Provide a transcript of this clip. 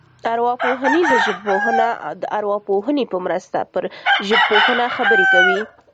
ارواپوهنیزه ژبپوهنه د ارواپوهنې په مرسته پر ژبپوهنه خبرې کوي